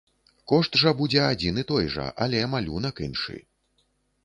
Кошт жа будзе адзін і той жа, але малюнак іншы.